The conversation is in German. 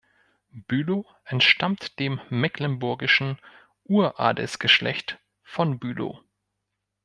Bülow entstammt dem mecklenburgischen Uradelsgeschlecht von Bülow.